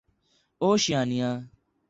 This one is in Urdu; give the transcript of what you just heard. اوشیانیا